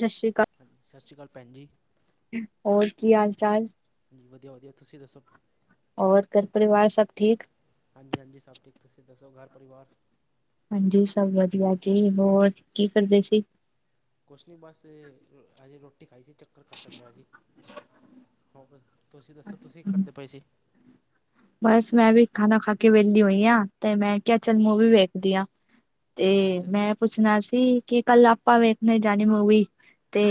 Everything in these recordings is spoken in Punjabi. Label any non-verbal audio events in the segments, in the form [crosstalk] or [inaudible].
ਸਤਿ ਸ਼੍ਰੀ ਅਕਾਲ। ਹਾਂਜੀ ਸਤਿ ਸ਼੍ਰੀ ਅਕਾਲ ਭੈਣ ਜੀ। ਹੋਰ ਕੀ ਹਾਲ-ਚਾਲ? ਵਧੀਆ-ਵਧੀਆ ਤੁਸੀਂ ਦੱਸੋ। ਔਰ ਘਰ ਪਰਿਵਾਰ ਸਭ ਠੀਕ? ਹਾਂਜੀ-ਹਾਂਜੀ ਸਭ ਠੀਕ ਤੁਸੀਂ ਦੱਸੋ ਘਰ ਪਰਿਵਾਰ? ਹਾਂਜੀ ਸਭ ਵਧੀਆ ਜੀ, ਹੋਰ ਕੀ ਕਰਦੇ ਸੀ? ਕੁਸ਼ ਨੀ ਬਸ‌ ਏ ਅਜੇ ਰੋਟੀ ਖਾਈ ਸੀ। ਚੱਕਰ ਕੱਟਣ ਡਿਆ ਸੀ, ਹੋਰ ਤੁਸੀਂ ਦੱਸੋ ਤੁਸੀਂ ਕੀ ਕਰਦੇ ਪਏ ਸੀ? ਬਸ ਮੈਂ ਵੀ ਖਾਣਾ ਖਾ ਕੇ ਵੇਲੀ ਹੋਈ ਆਂ ਤੇ ਮੈਂ ਕਿਆ ਚੱਲ ਮੂੰਵੀ ਵੇਖਦੀ ਆਂ। ਤੇ ਅੱਛਾ ਅੱਛਾ ਅੱਛਾ ਮੈਂ ਪੁੱਛਣਾ ਸੀ ਕਿ ਕੱਲ ਆਪਾਂ ਵੇਖਣੇ ਜਾਣੀ ਮੂਵੀ ਤੇ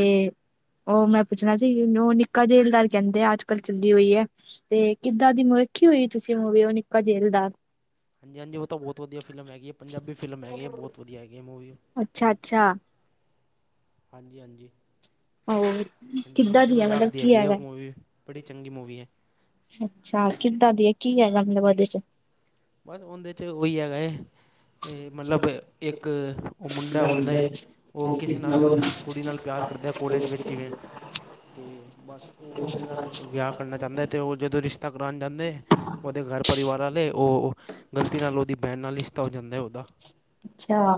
ਓ ਮੈਂ ਪੁੱਛਣਾ ਸੀ ਓ ਨਿੱਕਾ ਜੇਲਦਾਰ ਕੈਂਦੇ ਆ ਅੱਜ-ਕੱਲ ਚੱਲੀ ਹੋਈ ਐ। ਤੇ ਕਿੱਦਾਂ ਦੀ ਮੁਵੀ ਵੇਖੀ ਹੋਈ ਤੁਸੀਂ ਮੁਵੀ ਓ ਨਿੱਕਾ ਜੈਲਦਾਰ। ਹਾਂਜੀ-ਹਾਂਜੀ ਓ ਤਾਂ ਬੋਤ ਵਧੀਆ ਫਿਲਮ ਹੈਗੀ ਐਂ ਪੰਜਾਬੀ ਫਿਲਮ ਹੈਗੀ ਐ ਬੋਤ ਵਧੀਆ ਹੈਗੀ ਐ ਮੂਵੀ। ਅੱਛਾ-ਅੱਛਾ, ਹਾਂਜੀ-ਹਾਂਜੀ, ਹੋਰ ਹਾਂਜੀ ਕਿੱਦਾਂ ਹਸੀਂ ਹੈ ਮਜ਼ਾਕ ਮਤਲਬ ਦੀ ਕੀ ਹੈਗੀ ਏ ਓ ਹੈਗਾ ਮੂਵੀ ਬੜੀ ਚੰਗੀ ਮੂਵੀ ਐ। ਅੱਛਾ ਕਿੱਦਾਂ ਦੀ ਐ, ਕੀ ਹੈਗਾ ਮਤਲਬ ਓਦੇ 'ਚ? ਬਸ ਓਂਦੇ 'ਚ ਓਈ ਹੇਗਾ ਐ। ਏ ਮਤਲਬ ਇੱਕ ਓ ਮੁੰਡਾ ਹੁੰਦਾ ਏ ਓ ਕਿਸੇ ਨਾਲ ਓ ਕੁੜੀ ਨਾਲ [inaudible] ਤੇ ਬਸ ਓ ਓਨੇ ਦਾ ਵਿਆ ਕਰਨਾ ਜਾਂਦਾ ਤੇ ਓ ਜਦੋਂ ਰਿਸ਼ਤਾ ਕਰਾਣ ਜਾਂਦੇ ਓਦੇ ਘਰ ਪਰਿਵਾਰ ਆਲੇ ਓ ਗ਼ਲਤੀ ਨਾਲ ਓਦੀ ਬੈਣ ਨਾਲ ਰਿਸ਼ਤਾ ਹੋ ਜਾਂਦਾ ਐ ਓਦਾ। ਅੱਛਾ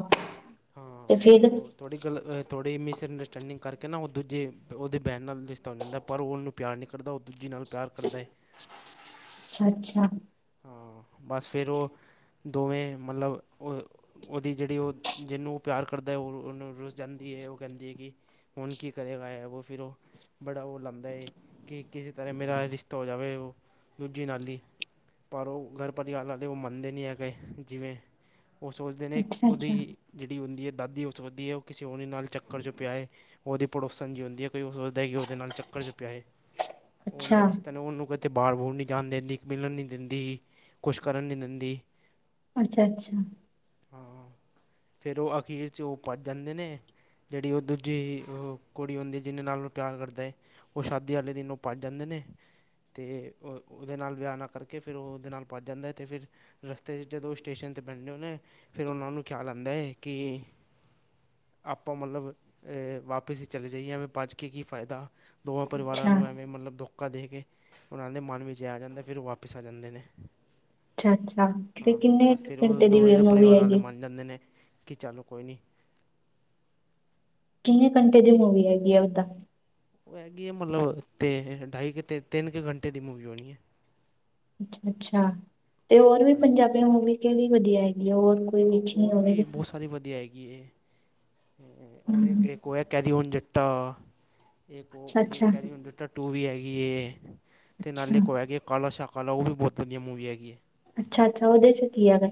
ਤੇ ਮਤਲਬ ਫੇਰ ਉਹ ਥੋੜ੍ਹੀ ਗੱਲ ਥੋੜ੍ਹੀ ਮਿਸਅੰਡਸਟੈਂਡਿੰਗ ਕਰਕੇ ਨਾ ਓ ਦੂਜੇ ਓਦੇ ਬੈਨ ਨਾਲ ਰਿਸ਼ਤਾ ਹੋ ਜਾਂਦਾ। ਪਰ ਓ ਓਨੂੰ ਪਿਆਰ ਨੀ ਕਰਦਾ ਓ ਦੂਜੀ ਨਾਲ ਪਿਆਰ ਕਰਦਾ ਏ। ਅੱਛਾ-ਅੱਛਾ, ਹਾਂ ਬਸ ਫੇਰ ਓ ਦੋਵੇਂ ਮਤਲਬ ਓ ਓਦੀ ਜੇੜੀ ਓ ਜਿਨੂੰ ਓ ਪਿਆਰ ਕਰਦਾ ਓ ਓਨੂੰ ਰੁਸ ਜਾਂਦੀ ਏ ਓ ਕੈਂਦੀ ਏ ਕੀ ਹੁਨ ਕੀ ਕਰੇਗਾ ਐ ਓ ਫਿਰ ਔ, ਬੜਾ ਓ ਲਾਂਦਾ ਏ ਕਿ ਕਿਸੇ ਤਰ੍ਹਾਂ ਮੇਰਾ ਰਿਸ਼ਤਾ ਹੋ ਜਾਵੇ ਓ ਦੂਜੀੇ ਨਾਲ ਈ। ਪਰ ਓ ਘਰ ਪਰਿਵਾਰ ਆਲੇ ਓ ਮੰਨਦੇ ਨੀ ਹੈਗੇ ਜਿਵੇਂ ਓ ਸੋਚਦੇ ਨੇ ਅੱਛਾ ਅੱਛਾ ਓਦੀ ਜੇੜੀ ਹੁੰਦੀ ਏ ਦਾਦੀ ਓ ਸੋਚਦੀ ਏ ਓ ਕਿਸੇ ਓਹੇ ਨਾਲ ਚੱਕਰ 'ਚ ਪਿਆ ਏ, ਓਦੀ ਪੜੋਸਨ ਜੀ ਹੁੰਦੀ ਐ ਕੋਈ ਕਿ ਓਦੇ ਨਾਲ ਚੱਕਰ 'ਚ ਪਿਆ ਏ, ਓਂਦਾ ਅੱਛਾ ਰਿਸ਼ਤਾ ਨੇ ਓਨੂੰ ਕਦੇ ਬਾਰ ਬੂਰ ਨੀ ਜਾਣ ਦਿੰਦੀ ਮਿਲਣ ਨੀ ਦਿੰਦੀ ਕੁਛ ਕਰਨ ਨੀ ਦਿੰਦੀ। ਅੱਛਾ-ਅੱਛਾ, ਹਾਂ ਫੇਰ ਓ ਅਖੀਰ 'ਚ ਔ ਭੱਜ ਜਾਂਦੇ ਨੇ। ਜੇੜੀ ਓ ਦੂਜੀ ਓ ਕੁੜੀ ਹੁੰਦਾ ਐ, ਜਿਦੇ ਨਾਲ ਔ ਪਿਆਰ ਕਰਦਾ ਏ ਓ ਸ਼ਾਦੀ ਆਲੇ ਦਿਨ ਓ ਭੱਜ ਜਾਂਦੇ ਨੇ ਤੇ ਓਦੇ ਨਾਲ ਵਿਆ ਨਾ ਕਰਕੇ। ਕੇ ਫੇਰ ਓਦੇ ਨਾਲ ਭਜ ਜਾਂਦਾ ਤੇ ਫੇਰ ਰਸਤੇ 'ਚ ਜਦੋਂ ਓ ਸਟੇਸ਼ਨ 'ਤੇ ਬੈਂਦੇ ਨੇ। ਫੇਰ ਓਨਾਂ ਨੂੰ ਖਿਆਲ ਆਂਦਾ ਏ ਕੀ। ਆਪਾਂ ਮਤ ਲਬ‌ ਏ ਵਾਪਿਸ ਈ ਚਲੇ ਜਾਈਏ ਐਂਵੇ ਬੱਜ ਕੇ ਕੀ ਫੈਦਾ। ਦੋਵਾਂ ਪਰਿਵਾਰਾਂ ਅੱਛਾ ਨੂੰ ਐਵੇਂ ਮਲਬ ਧੋਖਾ ਦੇ ਕੇ ਓਨਾਂ ਦੇ ਮਨ ਵਿੱਚ‌ ਐ ਆ ਜਾਂਦਾ। ਫੇਰ ਓ ਵਾਪ। ਵਾਪਿਸ ਆ ਜਾਂਦੇ ਨੇ। ਅੱਛਾ ਅੱਛਾ ਤੇ ਹਾਂ ਹਾਂ ਕਿੰਨੇ ਬਸ ਫੇਰ ਓ ਘੰਟੇ ਦੀ ਦੋਵੇਂ ਦੇ ਮੂਵੀ ਪਰਿਵਾਰ ਵਾਲੇ ਹੈਗੀ ਮੰਨ ਜਾਂਦੇ ਨੇ ਕੀ ਚੱਲੋ ਕੋਈ ਨੀ। ਕਿੰਨੇ, ਘੰਟੇ ਦੀ ਮੂਵੀ ਹੈਗੀ ਹੈ ਓਦਾਂ। ਓ ਹੈਗੀ ਹੈ, ਮਲਬ ਤੇ ਢਾਈ ਕੇ ਤਿੰਨ ਕੁ ਘੰਟੇ ਦੀ ਮੂਵੀ ਹੋਣੀ ਏ। ਅੱਛਾ ਅੱਛਾ ਤੇ ਹੋਰ ਵੀ ਹਾਂਜੀ ਪੰਜਾਬੀ ਮੂਵੀ ਕੇੜੀ ਵਧੀਆ ਏ। ਜਾਂ ਹੋਰ ਹਾਂ ਕੋਈ ਅਛੀਆਂ ਹੋਰ ਹੋਵੇ ਵੀ ਤੇ। ਬਹੁਤ ਸਾਰੀ ਵਧੀਆ ਐਗੀ। ਕੀ ਏ। ਔਰ ਹੂੰ ਇੱਕ‌ ਓ ਐਕੈਰੀਓਨ ਜੱਟਾ ਇੱਕ ਅੱਛਾ ਓ ਅੱਛਾ ਕੈਰੀਓਨ ਜੱਟ। ਟਾ ਟੂ ਵੀ ਹੈਗੀ ਹੈ ਤੇ ਨਾਲੇ ਅੱਛਾ ਕੋ ਉਹ ਹੈਗੀ ਹੈ ਕਾਲਾ ਸ਼ਾਹ ਕਾਲਾ ਉਹ ਵੀ ਬਹੁਤ ਵਧੀਆ ਮੂਵੀ ਹੈਗੀ ਹੈ। ਅੱਛਾ ਅੱਛਾ, ਉਹਦੇ ਚ ਕੀ ਹੈਗਾ।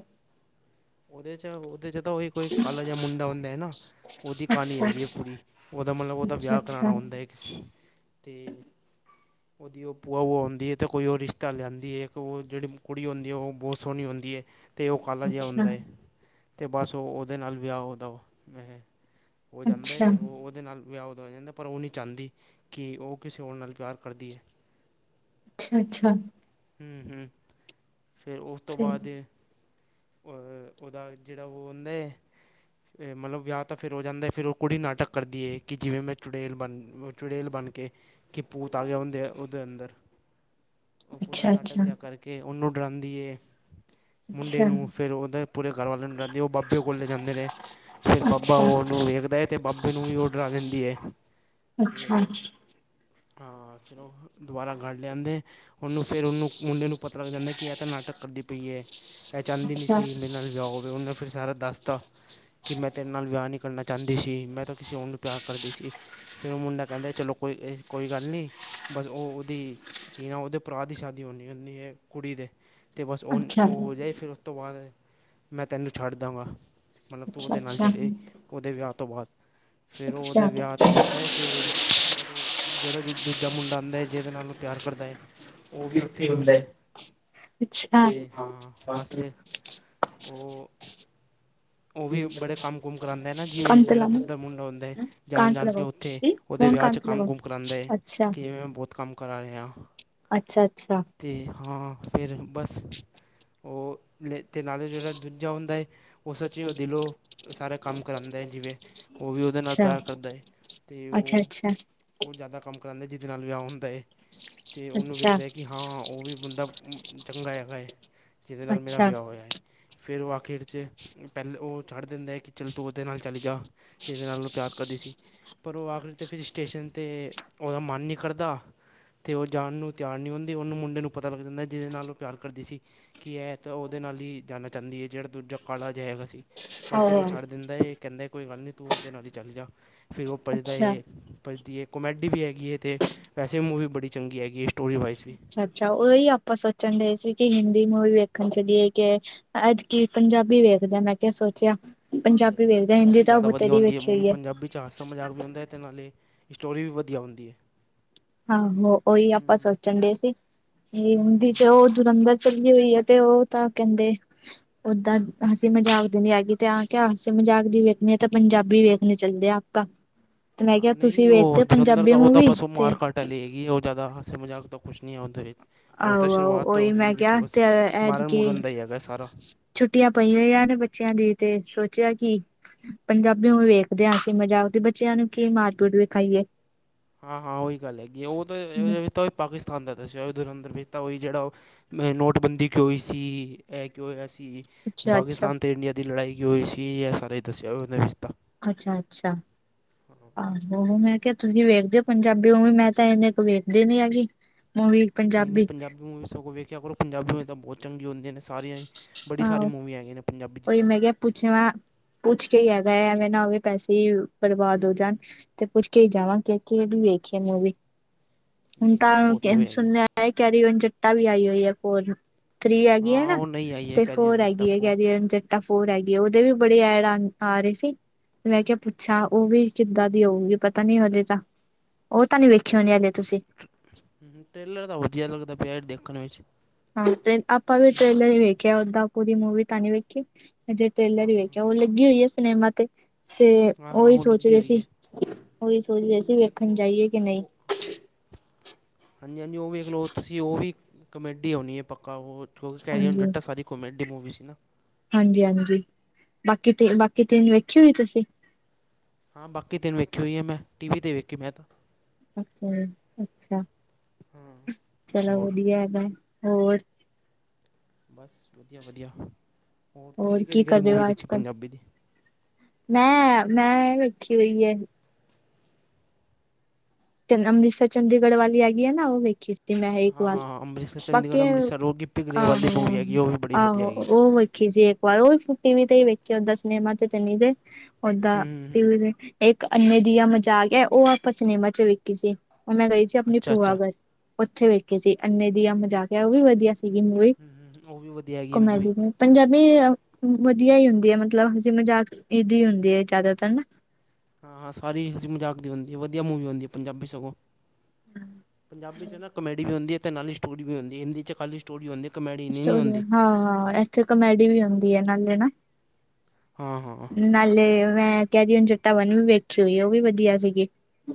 ਉਹਦੇ 'ਚ ਉਹਦੇ 'ਚ ਤਾਂ ਉਹੀ ਕੋਈ ਕਾਲਾ ਜਾਂ ਮੁੰਡਾ ਹੁੰਦਾ ਹੈ ਨਾ। ਉਹਦੀ ਕਹਾਣੀ ਅੱਛਾ ਹੈਗੀ ਹੈ ਪੂਰੀ ਉਹਦਾ ਮਤਲਬ ਉਹਦਾ ਅੱਛਾ ਅੱਛਾ ਵਿਆਹ ਕਰਾਉਣਾ ਹੁੰਦਾ ਐ। ਤੇ‌। ਉਹਦੀ ਬੁਆ ਹੋਆ ਹੋਆ ਹੋਂਦੀ ਹੈ ਤੇ ਉਹ ਕੋਈ ਰਿਸ਼ਤਾ ਲਿਆਂਦੀਏ ਉਹ ਜਿੜੀ ਕੁੜੀ ਉਹ ਬਹੁਤ ਸੋਹਣੀ ਹੋਂਦੀ ਏ। ਤੇ ਉਹ ਕਾਹਲਾ ਜਿਹਾ ਅੱਛਾ ਹੁੰਦਾ ਏ ਤੇ ਬਸ ਉਹ ਉਹਦੇ ਨਾਲ ਵਿਆਹ ਹੋਦਾ। ਉਹ ਜਾਂਦਾ ਅੱਛਾ ਏ ਹੋਰ। ਉਹਦੇ ਨਾਲ ਵਿਆਹ ਹੋ ਜਾਂਦਾ ਪਰ ਉਹ ਨਹੀਂ ਚਾਹੁੰਦੀ, ਕਿ ਉਹ ਕਿਸੇ ਹੋਰ ਨਾਲ ਪਿਆਰ ਕਰਦੀ ਏ। ਅੱਛਾ ਅੱਛਾ,। ਹੂੰ ਹੂੰ ਤੇ ਉਸ ਤੋਂ ਫਿਰ ਬਾਅਦ। ਹੂੰ ਉਹਦਾ ਜਿਹੜਾ ਉਹ ਹੌਂਦਾ ਐ। ਮਤਲਬ ਵਿਆਹ ਤਾਂ ਫਿਰ ਹੋ ਜਾਂਦਾ ਫਿਰ ਉਹ ਕੁੜੀ ਨਾਟਕ ਕਰਦੀ ਹੈ ਕਿ ਜਿਵੇਂ ਮੈਂ ਚੁੜੇਲ ਬਣ, ਚੁੜੇਲ ਬਣ। ਕੇ ਭੂਤ ਆ ਗ੍ਹਿਆ ਉਹ ਉਦੇ ਅਂਦਰ ਅੱਛਾ ਨਾਟਕ ਅੱਛਾ ਜਿਆ ਕਰ ਕੇ। ਕੇ ਉਹਨੂੰ ਡਰਾਉਂਦੀਏ ਮੁੰਡੇ ਨੂੰ। ਫੇਰ ਉਹਦੇ ਪੂਰੇ ਘਰਵਾਲਿਆਂ ਨੂੰ ਦਸਦੀ ਉਹ ਬਾਬੇ ਕੋਲ ਲੈ ਜਾਂਦੇ ਨੇ। ਫੇਰ ਅੱਛਾ ਬਾਬਾ ਅੱਛਾ ਉਹਨੂੰ ਵੇਖਦਾ ਹੈ ਤੇ ਬਾਬੇ ਨੂੰ ਵੀ ਡਰਾ ਦਿੰਦੀ ਐ। ਅੱਛਾ, ਅੱਛਾ। ਹਾਂ ਹਾਂ ਫੇਰ ਉਹ ਦੁਬਾਰਾ ਘਰ ਲਿਆਂਉਂਦੇ ਉਹਨੂੰ ਫੇਰ ਉਹਨੂੰ ਮੁੰਡੇ ਨੂੰ। ਪਤਾ ਲੱਗ ਜਾਂਦਾ ਕਿ ਇਹ ਤਾਂ ਨਾਟਕ ਕਰਦੀ ਪਈ ਏ ਇਹ ਚਾਹੁੰਦੀ ਨਹੀਂ ਅੱਛਾ ਸੀ ਮੇਰੇ ਨਾਲ ਵਿਆਹ ਹੋਵੇ ਉਹਨੇ ਫੇਰ ਸਾਰਾ। ਦੱਸ ਦਿਤਾ ਕਿ ਮੈਂ ਤੇਰੇ ਨਾਲ ਵਿਆਹ ਨਹੀਂ ਕਰਨਾ। ਚਾਹੁੰਦੀ ਸੀ ਮੈਂ ਤਾਂ ਕਿਸੇ ਹੋਰ ਨੂੰ ਪਿਆਰ ਕਰਦੀ ਸੀ ਫਿਰ ਉਹ ਮੁੰਡਾ ਕਹਿੰਦਾ ਚਲੋ ਕੋਈ ਇਹ। ਕੋਈ ਗੱਲ ਨਹੀਂ ਬਸ ਉਹ ਉਹਦੀ ਕੀ ਨਾ ਉਹਦੇ ਭਰਾ ਦੀ ਸ਼ਾਦੀ ਹੋਣੀ ਹੁੰਦੀ ਹੈ ਕੁੜੀ ਦੇ। ਤੇ ਬਸ ਉਹ ਅੱਛਾ ਉਹ ਹੋ ਜਾਏ ਫਿਰ ਉਸ ਤੋਂ ਬਾਅਦ ਮੈਂ ਤੈਨੂੰ ਛੱਡ ਦਾਂ ਗਾ। ਮਤਲਬ ਤੂੰ ਅੱਛਾ ਉਹਦੇ ਨਾਲ ਅੱਛਾ ਚਲੇਜਾਂਈ ਉਹਦੇ ਵਿਆਹ ਤੋਂ ਬਾਅਦ ਫੇਰ ਉਹ ਉਹਦੇ ਅੱਛਾ ਵਿਆਹ ਤੇ ਜਾਂਦਾ ਤੇ ਏ। ਬੱਸ ਉਹ ਜਿਹੜਾ ਦੂਜਾ ਮੁੰਡਾ ਆਉਂਦਾ ਹੈ ਜਿਹਦੇ ਨਾਲ ਉਹ ਪਿਆਰ ਕਰਦਾ ਏ। ਉਹ ਵੀ ਉੱਥੇ ਹੀ ਆਂਦਾ ਤੇ ਹਾਂ ਬਸ ਅੱਛਾ ਫੇਰ। ਔਹ। ਉਹ ਵੀ ਬੜੇ ਕੰਮ ਕੁਮ ਕਰਾਉਂਦਾ ਹੈ ਨਾ ਜਿਵੇਂ ਜਿਹੜਾ ਦੁਜਾ ਮੁੰਡਾ ਹੁੰਦਾ ਜਾਣ ਜਾਣ ਕੇ ਉੱਥੇ। ਉਹਦੇ ਵਿਆਹ 'ਚ ਕੰਮ ਕੁੁੰਮ ਕਰਾਉਂਦਾ ਕਿ ਮੈਂ, ਬਹੁਤ ਕੰਮ ਕਰਾ ਰਿਹਾ ਹਾਂ। ਅੱਛਾ- ਅੱਛਾ, ਤੇ ਹਾਂ, ਫੇਰ ਬਸ ਉਹ, ਤੇ ਨਾਲੇ ਜਿਹੜਾ ਦੂਜਾ ਹੁੰਦਾ ਏ ਉਹ ਸੱਚੀ ਉਹ ਦਿਲੋਂ, ਸਾਰਾ ਕੰਮ ਕਰਾਉਂਦਾ ਹੈ ਜਿਵੇਂ, ਉਹ ਵੀ ਉਹਦੇ ਨਾਲ ਪਿਆਰ ਕਰਦਾ ਏ। ਅੱਛਾ- ਅੱਛਾ, ਉਹ ਜ਼ਿਆਦਾ ਕੰਮ ਕਰਉਂਦਾ, ਜਿਹਦੇ ਨਾਲ ਵਿਆਹ ਹੁੰਦਾ ਏ। ਤੇ ਉਹਨੂੰ ਵਿਖਦਾ ਹੈ ਕਿ ਹਾਂ, ਉਹ ਵੀ ਬੰਦਾ ਚੰਗਾ ਹੈਗਾ ਹੈ, ਜਿਹਦੇ ਨਾਲ ਮੇਰਾ ਅੱਛਾ ਵਿਆਹ ਹੋਇਆ ਹੈ। ਫੇਰ ਉਹ ਆਖਿਰ 'ਚ, ਪਹਿਲੇ ਉਹ ਛੱਡ ਦਿੰਦਾ ਕਿ ਚੱਲ ਤੂੰ ਔਦੇ ਨਾਲ ਚਲੀ ਜਾ। ਜਿਹਦੇ ਨਾਲ ਉਹ ਪਿਆਰ ਕਰਦੀ ਸੀ। ਪਰ ਉਹ ਆਖਰੀ ਤੇ ਫਿਰ ਸਟੇਸ਼ਨ ਤੇ, ਉਹਦਾ ਮਨ ਨਹੀਂ ਕਰਦਾ। ਤੇ ਉਹ ਜਾਣ ਨੂੰ ਤਿਆਰ ਨਹੀਂ ਹੁੰਦੀ, ਉਹਨੂੰ ਮੁੰਡੇ ਨੂੰ ਪਤਾ ਲੱਗ ਜਾਂਦਾ ਜਿਹਦੇ ਨਾਲ ਉਹ ਪਿਆਰ ਕਰਦੀ ਸੀ। ਕੀ ਐ ਤਾਂ ਉਹਦੇ ਨਾਲ ਹੀ ਜਾਣਾ ਚਾਹੁੰਦੀ ਹੈ। ਜਿਹੜਾ ਦੂਜਾ ਕਾਲਾ ਜਿਹਾ ਹੈਗਾ ਸੀ, ਬਸ ਫਿਰ ਉਹ ਛੱਡ ਦਿੰਦਾ ਏ ਕਹਿੰਦਾ ਕੋਈ ਗੱਲ ਨਹੀਂ ਤੂੰ ਉਹਦੇ ਨਾਲ ਹੀ ਚਲੀ ਜਾ। ਫਿਰ ਉਹ ਭਜਦਾ ਅੱਛਾ ਅੱਛਾ ਏ ਭਜਦੀ ਹੈ, ਕੋਮੇਡੀ ਵੀ ਹੈਗੀ ਹੈ, ਤੇ ਵੈਸੇ ਮੂਵੀ ਬੜੀ ਚੰਗੀ ਹੈਗੀ ਹੈ ਸਟੋਰੀ ਵਾਈਜ਼ ਵੀ। ਅੱਛਾ, ਉਹੀ ਆਪਾਂ ਸੋਚਣ ਦੇਹ ਸੀ ਕਿ ਹਿੰਦੀ ਮੂਵੀ ਵੇਖਣ ਚਲੀਏ ਕਿ ਐਤ ਕੀ ਪੰਜਾਬੀ ਵੇਖਦੇ ਹਾਂ, ਮੈਂ ਕਿਹਾ ਸੋਚਿਆ ਹਾਂਜੀ ਪੰਜਾਬੀ -ਹਾਂਜੀ, ਨਹੀਂ ਵੇਖਦੇ ਹਿੰਦੀ ਪੰਜਾਬੀ ਤਾਂ ਜ਼ਿਆਦਾ ਵਧੀਆ ਬਥੇਰੀ ਹੁੰਦੀ ਹੈ ਵੇਖੀ ਮੂਵੀ ਹੋਈ ਪੰਜਾਬੀ ਝਾਸਾ -ਮਜ਼ਾਕ ਹੁੰਦਾ ਹੈ, ਤੇ ਨਾਲੇ ਸਟੋਰੀ ਵੀ ਵਧੀਆ ਹੁੰਦੀ ਹੈ। ਆਹੋ, ਉਹੀ ਆਪਾਂ ਸੋਚਣ ਡਏ ਸੀ, ਇਹ ਹਿੰਦੀ ਤੇ ਉਹ ਦੁਰੰਧਰ ਚੱਲੀ ਹੋਈ ਏ, ਤੇ ਉਹ ਤਾਂ ਕਹਿੰਦੇ ਓਦਾਂ ਹਸੀ ਮਜ਼ਾਕ ਦੀ ਨੀ ਹੈਗੀ ਤੇ ਆ ਕਿਹਾ ਹਸੀ ਮਜ਼ਾਕ ਦੀ ਵੇਖਣੀ ਆ ਤਾਂ ਪੰਜਾਬੀ ਵੇਖਣੀ ਚੱਲਦੇ ਆ ਆਪਾਂ ਮੈਂ ਕਿਹਾ ਹਾਂ ਨਹੀਂ ਤੁਸੀਂ ਨਹੀਂ ਉਹ ਵੇਖਤੇ ਜਲੰਧਰ ਪੰਜਾਬੀ ਦਾ ਉਹ ਮੂਵੀ ਤੇ ਤਾਂ ਲੈ ਗਈ, ਉਹ ਜ਼ਿਆਦਾ ਹਾਸੇ ਮਜ਼ਾਕ ਤਾਂ ਕੁਛ ਨਹੀਂ ਉਹਦੇ ਵਿੱਚ ਉਹ ਤਾਂ ਆਹੋ ਆਹੋ ਸ਼ੁਰੂਆਤ ਤੋਂ ਉਹੀ ਮੈਂ ਅਖੀਰ ਵਿੱਚ, ਕਿਹਾ ਬਸ ਤੇ ਮਾਰਨ ਐਤਕੀ ਮੁਰਨ ਦਾ ਹੀ ਹੈਗਾ ਸਾਰਾ ਛੁੱਟੀਆਂ ਪਈ ਹੋਈਆਂ ਨੇ ਬੱਚਿਆਂ ਦੀ, ਤੇ ਸੋਚਿਆ ਕਿ ਪੰਜਾਬੀ ਮੂਵੀ ਵੇਖਦੇ ਹਾਂ ਹਸੀ ਮਜ਼ਾਕ, ਬੱਚਿਆਂ ਨੂੰ ਕੀ ਮਾਰਪੀਟ ਵਿਖਾਈਏ ਹਾਂ, ਹਾਂ ਉਹੀ ਗੱਲ ਹੈਗੀ ਏ, ਉਹ ਤਾਂ ਉਹਦੇ ਵਿੱਚ ਤਾਂ ਪਾਕਿਸਤਾਨ ਦਾ ਦੱਸਿਆ ਦੁਰੰਧਰ ਵਿੱਚ ਤਾਂ ਉਹੀ ਜਿਹੜਾ ਉਹ ਐ ਨੋਟਬੰਦੀ ਕਿਉਂ ਹੋਈ ਸੀ, ਇਹ ਕਿਉਂ ਹੋਇਆ ਸੀ ਕਿ, ਅੱਛਾ ਅੱਛਾ ਪਾਕਿਸਤਾਨ ਤੇ ਇੰਡੀਆ ਦੀ ਲੜਾਈ ਕੀ ਹੋਈ ਸੀ, ਇਹ ਸਾਰੇ ਦੱਸਿਆ ਉਹਦੇ ਵਿੱਚ ਤਾਂ ਅੱਛਾ, ਅੱਛਾ ਆਹੋ, ਮੈਂ ਕਿਹਾ ਤੁਸੀਂ ਵੇਖਦੇ ਹੋ ਪੰਜਾਬੀ ਮੂਵੀ, ਮੈਂ ਤਾਂ ਇੰਨੇ ਕ ਵੇਖਦੀ ਨੀ ਹੈਗੀ ਮੂਵੀ ਨਹੀਂ, ਨਹੀਂ ਪੰਜਾਬੀ ਮੂਵੀਜ਼ ਸਗੋਂ ਵੇਖਿਆ ਕਰੋ, ਪੰਜਾਬੀ ਮੂਵੀ ਤਾਂ ਬਹੁਤ ਚੰਗੀ ਹੁੰਦੀਆਂ ਨੇ ਸਾਰੀਆਂ ਹੀ, ਬੜੀ ਸਾਰੀ ਮੂਵੀ ਹੈਗੀਆਂ ਨੇ ਪੰਜਾਬੀ ਦੀ ਉਈ ਤਾਂ ਮੈਂ ਕਿਹਾ, ਪੁੱਛ ਲਾ, ਪੁੱਛ ਕੇ ਹੀ ਹੈਗਾ, ਐਵੇਂ ਨਾ ਪੈਸੇ ਹੀ ਬਰਬਾਦ ਹੋ ਜਾਣ ਤੇ ਪੁੱਛ ਕੇ ਹੀ ਜਾਵਾਂ, ਕਿ ਕਿਹੜੀ ਵੇਖੀਏ ਮੂਵੀ, ਹੁਣ ਨਹੀਂ ਤਾਂ ਨਹੀਂ ਬਹੁਤ ਕੈਨ ਮੂਵੀ ਹੈਗੀਆਂ ਇਹ ਕੈਰੀ ਔਨ ਜੱਟਾ ਵੀ ਆਈ ਹੋਈ ਏ ਫੌਰ ਥਰੀ ਹੈਗੀ ਆ ਹਾਂ ਨਾ, ਉਹ ਨਹੀਂ ਆਈ ਹੈ ਤੇ ਕੈਰੀ ਔਨ ਫੋਰ ਜੱਟਾ ਹੈਗੀ ਏ ਕੈਰੀ ਔਨ ਜੱਟਾ ਫੋਰ ਹੈਗੀ, ਉਹਦੇ ਵੀ ਬੜੇ ਐਡ ਆ ਰਹੇ ਸੀ, ਤੇ ਮੈਂ ਕਿਹਾ ਪੁੱਛਾ ਹਾਂ। ਉਹ ਵੀ ਕਿੱਦਾਂ ਦੀ ਹੋਊਗੀ ਪਤਾ ਨੀ ਹਲੇ ਤਾਂ, ਉਹ ਤਾਂ ਨੀ ਵੇਖੀ ਹੋਣੀ ਹਲੇ ਤੁਸੀਂ ਹੂੰ, ਹੂੰ ਟ੍ਰੇਲਰ ਤਾਂ ਵਧੀਆ ਲੱਗਦਾ ਪਿਆ ਦੇਖਣ ਵਿੱਚ ਹਾਂ ਟ, ਆਪਾਂ ਵੀ ਟ੍ਰੇਲਰ ਹੀ ਵੇਖਿਆ ਓਦਾ ਪੂਰੀ ਮੂਵੀ ਤਾਂ ਨੀ ਵੇਖੀ ਹਜੇ ਟੇਲਰ ਹਾਂ। ਹੀ ਵੇਖਿਆ, ਉਹ ਲੱਗੀ ਹੋਈ ਹੈ ਏ ਸਿਨੇਮਾ ਤੇ ਤੇ, ਹਾਂ-ਹਾਂ ਉਹੀ ਉਹ ਸੋਚ ਲੱਗੀ ਰਹੀ ਹੋਈ ਸੀ, ਹੈ। ਉਹੀ ਸੋਚਦੇ ਸੀ ਵੇਖਣ ਜਾਈਏ ਕਿ ਨਹੀਂ ਹਾਂਜੀ- ਹਾਂਜੀ ਉਹ ਵੀ ਵੇਖ ਲਓ, ਤੁਸੀਂ ਉਹ ਵੀ ਕਮੇਡੀ ਹੋਣੀ ਏ ਪੱਕਾ ਉਹ ਕਿਉਂਕਿ ਕੈਰੀ ਔਨ ਹਾਂਜੀ ਜੱਟਾਂ, ਸਾਰੀ ਕੋਮੇਡੀ ਮੂਵੀ ਸੀ ਨਾ ਹਾਂਜੀ, ਹਾਂਜੀ ਬਾਕੀ ਤੇ ਬਾਕੀ ਤਿੰਨ ਵੇਖੀ ਹੋਈ ਤੁਸੀਂ। ਹਾਂ ਬਾਕੀ ਤਿੰਨ ਵੇਖੀ ਹੋਈ ਹੈ ਮੈਂ ਟੀ ਵੀ 'ਤੇ ਵੇਖੀ ਮੈਂ ਤਾਂ। ਅੱਛਾ, ਅੱਛਾ ਚਲੋ ਹੋਰ ਵਧੀਆ ਹੈਗਾ ਏ ਹੋਰ। ਬਸ ਵਧੀਆ ਵਧੀਆ ਹੋਰ ਤੁਸੀਂ ਕੀ ਕਿਹੜੀ-ਕਿਹੜੀ ਕਰ ਰਹੇ ਮੂਵੀ ਹੋ ਅੱਜ ਦੇਖੀ ਕੱਲ ਪੰਜਾਬੀ ਦੀ। ਮੈਂ ਮੈਂ ਵੇਖੀ ਹੋਈ ਏ। ਚੰਡੀਗੜ ਅੰਮ੍ਰਿਤਸਰ ਚੰਡੀਗੜ੍ਹ ਵਾਲੀ ਹੈਗੀ ਆ ਨਾ ਉਹ ਵੇਖੀ ਸੀ। ਤੇ ਹਾਂ-ਹਾਂ ਅੰਮ੍ਰਿਤਸਰ [unintelligible] ਬਾਕੀ ਚੰਡੀਗੜ੍ਹ ਆਹੋ, ਅੰਮ੍ਰਿਤਸਰ ਉਹ ਗਿੱਪੀ ਗਰੇਵਾਲ ਦੀ ਮੂਵੀ ਹੈਗੀ ਆਹੋ, ਉਹ ਵੀ ਬੜੀ ਵਧੀਆ ਆਹੋ ਹੈਗੀ ਹੈ। ਉਹ ਵੇ। ਵੇਖੀ ਸੀ ਇੱਕ ਵਾਰ ਉਹ ਵੀ ਟੀ ਵੀ ਤੇ ਹੀ ਵੇਖੇ ਸੀ ਓਦਾ ਸਿਨੇਮਾ ਤੇ ਨੀ ਗਏ ਓਦਾ ਹੂੰ-ਹੂੰ ਟੀ ਵੀ। ਇੱਕ ਅੰਨੇ ਦੀਆ ਮਜ਼ਾਕ ਏ ਉਹ ਆਪਾਂ ਸਿਨੇਮਾ ਚ ਵੇਖੀ ਸੀ ਉਹ ਮੈਂ ਗਈ ਸੀ ਅੱਛਾ-ਅੱਛਾ ਹੂੰ ਆਪਣੀ ਅੱਛਾ ਭੂਆ ਗਰ। ਉੱਥੇ ਵੇਖੇ ਸੀ ਅੰਨੇ ਦੀਆਂ ਮਜ਼ਾਕ ਉਹ ਵੀ ਵਧੀਆ ਸੀਗੀ ਮੂਵੀ ਅੱਛਾ, ਉਹ ਵੀ ਵਧੀਆ ਹੈਗੀ ਹੈ ਮੂਵੀ। ਕੋਮੇਡੀਅਨ। ਪੰਜਾਬੀ ਵਧੀਆ ਹੀ ਹੁੰਦੀ ਏ ਮਤਲਬ ਹੱਸੀ ਮਜ਼ਾਕ ਦੀ ਹੀ ਹੁੰਦੀ ਏ ਜ਼ਿਆਦਾਤਰ ਨਾ। ਹਾਂ, ਹਾਂ ਸਾਰੀ ਹਸੀ ਮਜ਼ਾਕ ਦੀ ਹੁੰਦੀ ਏ ਵਧੀਆ ਮੂਵੀ ਹੁੰਦੀ ਏ ਪੰਜਾਬੀ ਸਗੋਂ। ਪੰਜਾਬੀ 'ਚ ਨਾ ਕਾਮੇਡੀ ਵੀ ਹੁੰਦੀ ਏ ਤੇ ਨਾਲੇ ਸਟੋਰੀ ਵੀ ਹੁੰਦੀ ਏ ਹਿੰਦੀ ਚ ਖਾਲੀ। ਸਟੋਰੀ ਹੁੰਦੀ ਏ ਕਮੇਡੀ ਇਨੀ ਨਹੀਂ ਹੁੰਦੀ। ਉੱਥੇ ਕਮੇਡੀ ਵੀ ਹੁੰਦੀ ਏ ਨਾਲੇ ਨਾ। ਹਾਂ, ਹਾਂ। ਨਾਲੇ ਮੈਂ ਕੈਰੀ ਔਨ ਜੱਟਾਂ ਵਨ ਵੀ ਵੇਖੀ ਹੋਈ ਏ ਉਹ ਵੀ ਵ। ਹੂੰ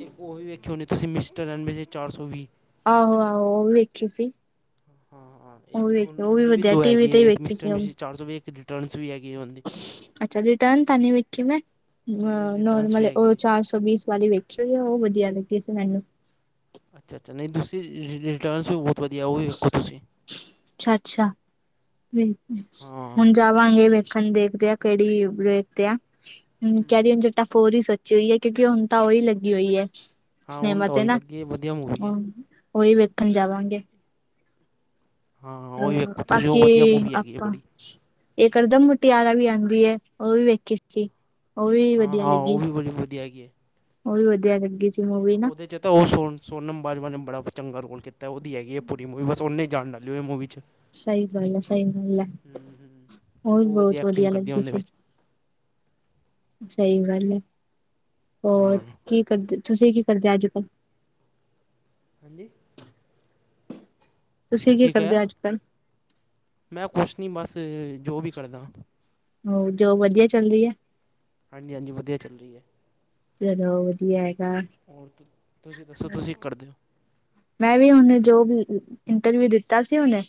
ਇੱਕ ਉਹ ਵੀ ਵੇਖੀ ਹੋਣੀ ਤੁਸੀਂ ਮਿਸਟਰ ਐਡ ਮਿਸੀਜ਼ ਚਾਰ ਸੌ ਵੀਹ। ਆਹੋ, ਆਹੋ ਉਹ ਵੀ ਵੇਖੀ ਸੀ। ਹਾਂ ਹਾਂ ਉਹ ਵੀ ਇੱਕ ਵੇਖੀ ਉਹ ਵੀ ਉਹਦੀ ਵਧੀਆ ਦੋ ਟੀ ਵੀ ਹੈਗੀ ਤੇ ਹੈ ਹੀ ਇੱਕ ਵੇਖੇ ਮਿਸਟਰ ਸੀ ਉਹ। ਮਿਸਿਜ਼ ਚਾਰ ਸੌ ਵੀਹ। ਰਿਟਰਨਸ ਵੀ ਹੈਗੀ ਉਹਦੀ ਅੱਛਾ ਰਿਟਰਨ ਤਾਂ ਨੀ ਵੇਖੀ ਮੈਂ। ਨਹੀਂ ਨਹੀਂ ਅ ਰਿਟਰਨਸ ਵੀ ਨੋਰਮਲ ਹੈਗੀ ਉਹ ਹੈ ਚਾਰ ਸੌ ਬੀਸ ਵਾਲੀ ਵੇਖੀ ਹੋਈ ਉਹ ਵਧੀਆ ਲੱਗੀ ਸੀ ਮੈਨੂੰ। ਅੱਛਾ, ਅੱਛਾ ਨਹੀਂ ਤੁਸੀਂ ਰਿ ਰਿ ਰਿਟਰਨਸ ਵੀ ਬਹੁਤ ਵਧੀਆ ਉਹ ਵੀ ਵੇਖੋ ਤੁਸੀਂ। ਅਛਾ- ਅਛਾ ਬਿਲਕੁਲ ਹਾਂ ਹੁਣ। ਜਾਵਾਂਗੇ ਵੇਖਣ ਦੇਖਦੇ ਆ ਕਿਹੜੀ ਦੇਖਦੇ ਆਹ ਕਹਿਨਦੇ ਹੁੰਦੇ। ਤਾਂ ਫੇਰ ਹੋਰ ਹੀ ਤੋਰੀ ਸਜੀ ਹੋਈ ਹੈ। ਕਿਉਕਿ ਹੁਣ ਤਾਂ ਉਹੀ ਲੱਗੀ ਹੋਈ ਹੈ। ਹਾਂ ਹੁਣ ਡੈਮ ਤਾਂ ਤੇ ਉਹੀ ਨਾ ਲੱਗੀ ਵਧੀਆ ਮੂਵੀ ਹੈ ਉਹੀ ਵੇਖਣ ਜਾਵਾਂਗੇ। ਹਾਂ ਉਹੀ ਵੇਖੋ ਤੁਸੀਂ ਉਹ ਬਾਕੀ ਵਧੀਆ ਮੂਵੀ ਹੈਗੀ ਹੈ ਆਪਾਂ। ਬੜੀ ਇਹ ਕਰੜਦਮ [unintelligible] ਮੁਟੀ ਵਾਲਾ ਵੀ ਆਉਂਦੀ ਉਹ ਵੀ ਵੇਖੀ ਸੀ ਉਹ ਵੀ ਹਾਂ ਵਧੀਆ ਹਾਂ ਉਹ ਲੱਗੀ। ਵੀ ਬੜੀ ਵਧੀਆ ਹੈਗੀ। ਉਹ ਵੀ ਵਧੀਆ ਲੱਗੀ। ਹਾਂ ਮੂਵੀ ਨਾ ਉਹਦੇ ਚ। ਅਤੇ ਤਾਂ ਉਹ ਸਨ ਸੋਨਮ ਬਾਜਵਾ ਨੇ ਬੜ ਚੰਗਾ ਰੋਲ ਕੀਤਾ ਉਹਦੀ ਹੈਗੀ ਹੈ। ਪੂਰੀ ਮੂਵੀ ਬਸ ਉਹਨੇ ਜਾਣ ਵਾਲੀ ਇਹ ਮੂਵੀ। ਸਹੀ ਗੱਲ ਹੈ ਸਹੀ ਗੱਲ ਹੈ ਹੂੰ- ਹੂੰ ਵੀ ਉਹ ਵਧੀਆ ਬਹੁਤ ਐਕਟਿੰਗ ਕਰਦੀ ਆ ਲੱਗਦੀ ਉਹਦੇ ਸੀ ਵਿਚ। ਸਹੀ ਗੱਲ ਹੈ। ਹੋਰ ਹਾਂ ਕੀ ਕਰਦੇ ਤੁਸੀ ਕੀ ਕਰਦੇ ਅੱਜ। ਕੱਲ ਹਾਂਜੀ [inaudible] ਤੁਸੀ ਕੀ ਕਰਦੇ ਹੋ ਅਜ ਕਲ। ਮੈਂ ਕੁਛ ਨਹੀਂ ਬਸ ਜੋ ਵੀ ਕਰਦਾ। ਹੋ ਜੋ੍ ਵਧੀਆ ਚੱਲ ਰਹੀ ਹੈ। ਹਾਂਜੀ- ਹਾਂਜੀ ਵਧੀਆ ਚੱਲ ਰਹੀ ਹੈ। ਚਲੋ ਵਧੀਆ ਹੈਗਾ। ਹੋਰ ਤੁਸੀ ਦੱਸੋ ਤੁਸੀ ਕੀ ਕਰਦੇ ਹੋ। ਮੈ ਵੀ ਹੁਨ ਜੋਬ ਇੰਟਰਵਿਊ ਦਿੱਤਾ ਸੀ ਉਹਨੇ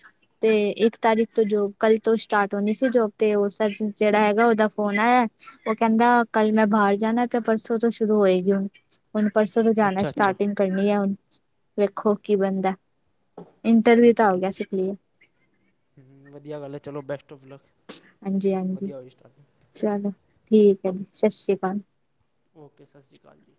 ਤੇ ਇਕ ਤਾਰੀਖ। ਜੋ ਕਲ ਤੋਂ ਸਟਾਰਟ ਹੋਣੀ ਸੀ ਜੋ ਤੇ ਉਹ ਜਿਹੜਾ ਹੈਗਾ ਉਹਦਾ ਫੋਨ ਆਇਆ। ਉਹ ਕਹਿਦਾ ਕੱਲ ਮੈ ਬਾਹਰ ਜਾਣਾ ਤੇ ਪਰਸੋਂ ਤੋਂ ਸ਼ੁਰੂ ਹੋਏਗੀ ਹੁਣ- ਹੁਣ ਪਰਸੋਂ ਤੋਂ ਜਾਣਾ ਅੱਛਾ ਅੱਛਾ ਸਟਾਰਟਿੰਗ ਕਰਨੀ ਹੈ। ਹੁਣ ਵੇਖੋ ਕੀ ਬਣਦਾ। ਚਲੋ ਇੰਟਰਵਿਊ ਤਾਂ ਆ ਚਲੋ ਗਿਆ ਸੀ ਕਲੀਅਰ- ਵਧੀਆ ਗੱਲ ਹੈ। ਚਲੋ ਬੈਸਟ ਔਫ ਲੱਕ। ਹਾਂਜੀ ਹਾਂਜੀ ਵਧੀਆ ਹੋਈ ਸਟਾਰਟਿੰਗ ਚਲੋ, ਠੀਕ ਹੈ। ਸਤਿ ਸ਼੍ਰੀ ਅਕਾਲ। ਓਕੇ, ਸਤਿ ਸ਼੍ਰੀ ਅਕਾਲ ਜੀ।